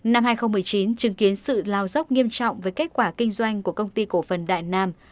năm hai nghìn một mươi chín chứng kiến sự lao dốc nghiêm trọng với kết quả kinh doanh của công ty cổ phần đại nam